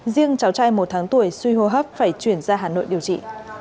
riêng cháu trai một tháng tuổi suy hô hấp phải chuyển ra hà nội điều trị